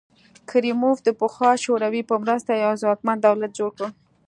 کریموف د پخوا شوروي په مرسته یو ځواکمن دولت جوړ کړ.